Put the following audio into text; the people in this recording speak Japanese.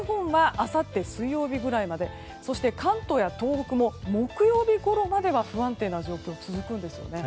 あさって水曜日ぐらいまでそして、関東や東北も木曜日ぐらいまでは不安定な状況が続くんですよね。